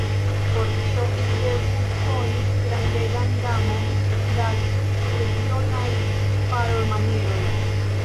Por tio, ili devus koni grandegan gamon da regionaj parolmanieroj.